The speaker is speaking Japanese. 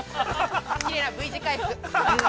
きれいなＶ字回復。